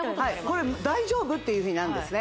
これ大丈夫っていうふうになるんですね